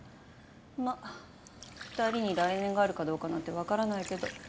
まっ２人に来年があるかどうかなんて分からないけど。